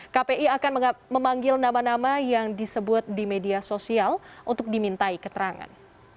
kpi akan memanggil nama nama yang disebut di media sosial untuk dimintai keterangan